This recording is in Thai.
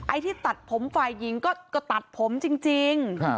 ที่ตัดผมฝ่ายหญิงก็ตัดผมจริง